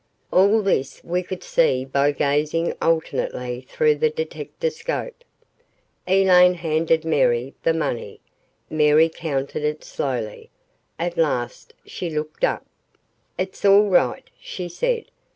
All this we could see by gazing alternately through the detectascope. Elaine handed Mary the money. Mary counted it slowly. At last she looked up. "It's all right," she said.